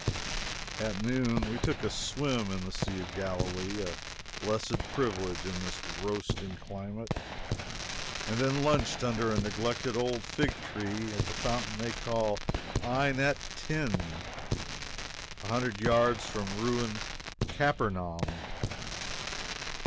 At noon we took a swim in the Sea of Galilee a blessed privilege in this roasting climate and then lunched under a neglected old fig tree at the fountain they call Ain et Tin, a hundred yards from ruined Capernaum.